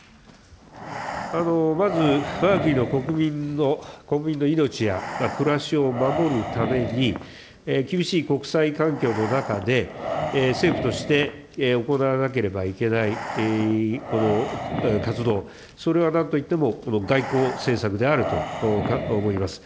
まずわが国の国民の命や暮らしを守るために、厳しい国際環境の中で、政府として行わなければいけない活動、それはなんといってもこの外交政策であると思います。